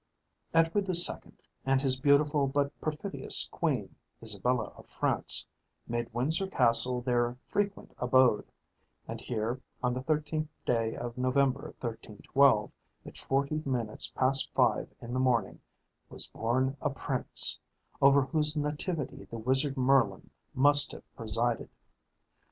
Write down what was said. Edward the Second, and his beautiful but perfidious queen, Isabella of France, made Windsor Castle their frequent abode; and here, on the 13th day of November 1312 at forty minutes past five in the morning, was born a prince, over whose nativity the wizard Merlin must have presided.